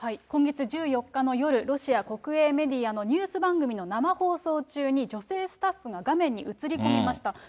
今月１４日の夜、ロシア国営メディアのニュース番組の生放送中に、女性スタッフが画面に写り込みました。